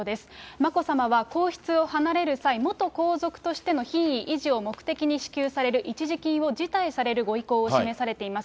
眞子さまは皇室を離れる際、元皇族としての品位維持を目的に支給される一時金を辞退するご意向を示されています。